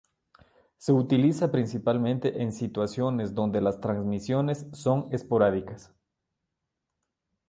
Se utilizan principalmente en situaciones donde las transmisiones son esporádicas.